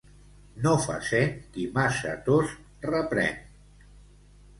No fa seny qui massa tost reprèn.